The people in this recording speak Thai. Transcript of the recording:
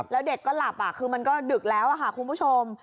แล้วเด็กก็หลับคือมันก็ดึกแล้วค่ะคุณผู้ชม